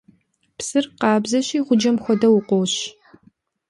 Псыр къабзэщи, гъуджэм хуэдэу, укъощ.